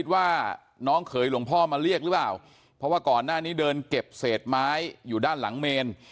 ว่าน้องเขยหลวงพ่อมาเรียกหรือเปล่าเพราะว่าก่อนหน้านี้เดินเก็บเศษไม้อยู่ด้านหลังเมน